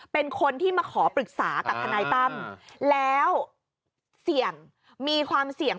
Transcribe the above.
เป็นคนที่มาขอปรึกษากับทนายตั้มแล้วเสี่ยงมีความเสี่ยง